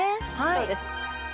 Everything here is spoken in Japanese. そうです。